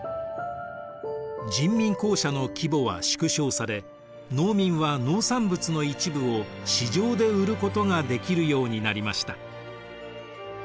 人民公社の規模は縮小され農民は農産物の一部を市場で売ることができるようになりました。